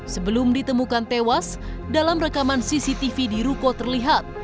sebelum ditemukan tewas dalam rekaman cctv di ruko terlihat